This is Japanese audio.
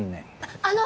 あの！